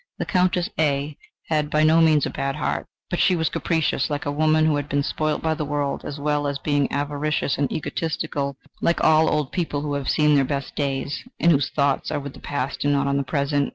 The Countess A had by no means a bad heart, but she was capricious, like a woman who had been spoilt by the world, as well as being avaricious and egotistical, like all old people who have seen their best days, and whose thoughts are with the past and not the present.